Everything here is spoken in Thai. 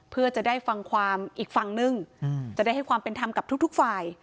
เพื่อจะได้ฟังความอีกฝั่งนึงจะได้ให้ความเป็นธรรมกับทุกฝ่าย